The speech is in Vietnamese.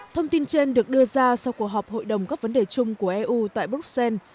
thông tin trên được đưa ra sau cuộc họp hội đồng các vấn đề chung của eu tại bruxelles